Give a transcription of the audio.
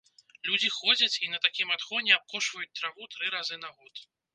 Людзі ходзяць і на такім адхоне абкошваюць траву тры разы на год.